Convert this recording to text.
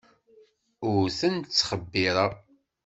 Ur ten-ttxebbireɣ.